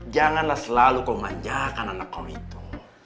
janganlah selalu kau manjakan anak kau itu